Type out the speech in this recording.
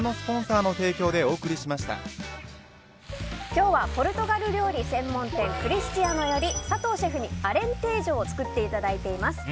今日はポルトガル料理専門店クリスチアノより佐藤シェフにアレンテージョを作っていただいています。